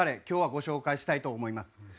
今日はご紹介したいと思います。